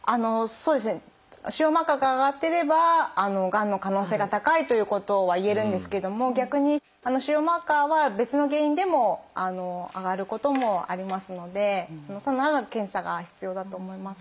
腫瘍マーカーが上がってればがんの可能性が高いということは言えるんですけども逆に腫瘍マーカーは別の原因でも上がることもありますのでさらなる検査が必要だと思います。